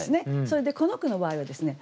それでこの句の場合はですね